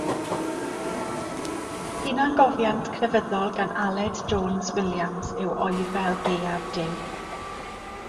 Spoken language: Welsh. Hunangofiant crefyddol gan Aled Jones Williams yw Oerfel Gaeaf Duw.